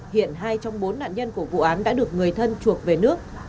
hiện hai trong bốn nạn nhân của vụ án đã được người thân chuộc về nước